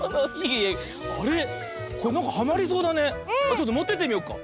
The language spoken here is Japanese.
ちょっともってってみようか。